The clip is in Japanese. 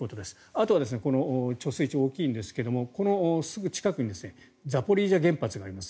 あとは貯水池大きいんですがこのすぐ近くにザポリージャ原発があります。